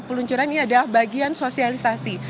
peluncuran ini adalah bagian sosialisasi